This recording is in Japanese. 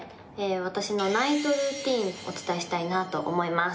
私のナイトルーティーンお伝えしたいなと思います